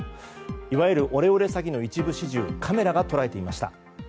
いわゆるオレオレ詐欺の一部始終をカメラが捉えていました。